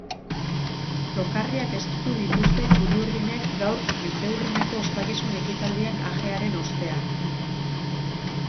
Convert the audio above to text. Lokarriak estutu dituzte txuri-urdinek gaur mendeurreneko ospakizun ekitaldien ajearen ostean.